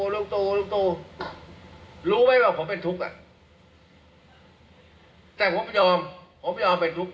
ลูกตูลูกตูลูกตูรู้ไหมว่าผมเป็นทุกข์แต่ผมยอมผมยอมเป็นทุกข์